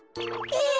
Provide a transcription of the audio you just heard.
え！